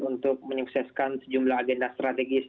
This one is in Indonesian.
untuk menyukseskan sejumlah agenda strategis